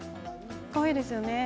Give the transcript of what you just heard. かわいいですよね。。